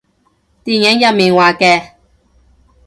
電影入面話嘅